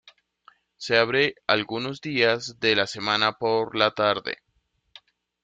Se abre algunos días de la semana por la tarde.